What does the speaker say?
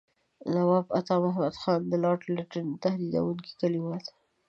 نواب عطامحمد خان د لارډ لیټن تهدیدوونکي کلمات.